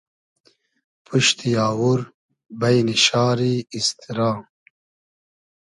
پوشتی آوور بݷنی شاری ایستیرا